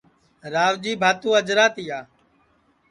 راوجی بھاتُو اجرا تِیا